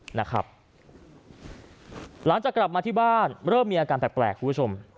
หลังจากกลับมาที่บ้านเริ่มมีอาการแปลกคุณผู้ชม